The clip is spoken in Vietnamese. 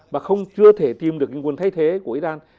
và không chưa thể tìm được những nguồn thay thế của iran